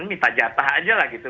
minta jatah aja lah gitu